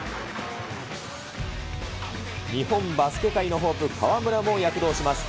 日本バスケ界のホープ、河村も躍動します。